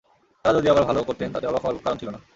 তাঁরা যদি আবার ভালো করতেন তাতে অবাক হওয়ার কারণ ছিল না।